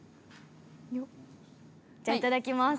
じゃあいただきます。